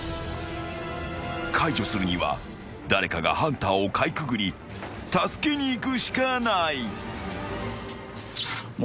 ［解除するには誰かがハンターをかいくぐり助けに行くしかない］